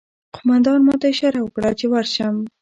قومندان ماته اشاره وکړه چې ورشم